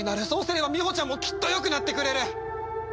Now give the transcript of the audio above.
そうすればみほちゃんもきっとよくなってくれる！